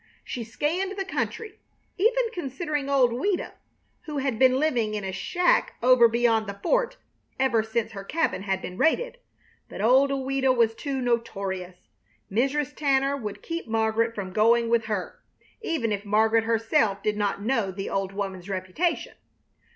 She scanned the country, even considering old Ouida, who had been living in a shack over beyond the fort ever since her cabin had been raided; but old Ouida was too notorious. Mrs. Tanner would keep Margaret from going with her, even if Margaret herself did not know the old woman's reputation.